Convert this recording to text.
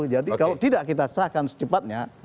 jadi kalau tidak kita sahkan secepatnya